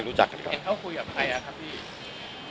เขาคุยกับใคร่ะครับพี่